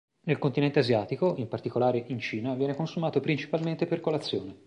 Nel continente asiatico, in particolare in Cina, viene consumato principalmente per colazione.